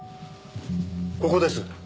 ここです。